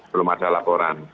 belum ada laporan